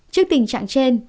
trước tình trạng trên